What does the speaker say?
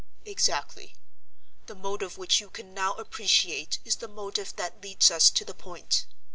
"Exactly. The motive which you can now appreciate is the motive that leads us to the point.